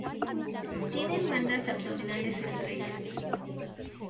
Tienen bandas abdominales estrechas.